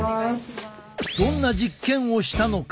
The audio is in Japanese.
どんな実験をしたのか？